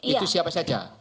itu siapa saja